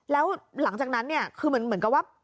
แล้วหลังจากนั้นเนี่ยคือเหมือนกับว่า